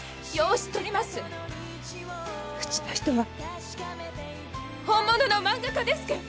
うちの人は本物の漫画家ですけん。